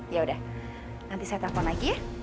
yaudah nanti saya telepon lagi ya